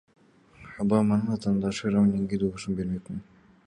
Обаманын атаандашы — Ромниге добушумду бермекмин.